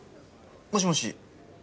もしもし？